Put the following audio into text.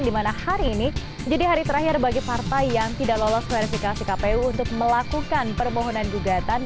dimana hari ini jadi hari terakhir bagi partai yang tidak lolos verifikasi kpu untuk melakukan permohonan gugatan